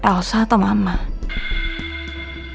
jadi siapa yang pakai anting itu ke rumah aku